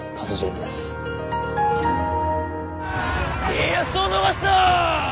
家康を逃すな！